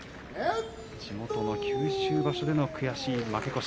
地元の九州場所での悔しい負け越し。